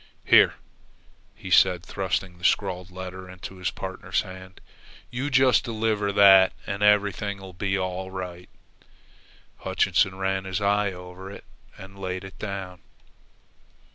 "Here," he said, thrusting the scrawled letter into his partner's hand. "You just deliver that and everything'll be all right." Hutchinson ran his eye over it and laid it down.